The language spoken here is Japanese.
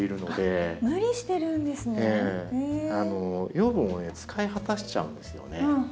養分をね使い果たしちゃうんですよね。